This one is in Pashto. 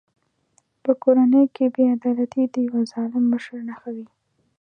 په کورنۍ کې بې عدالتي د یوه ظالم مشر نښه وي.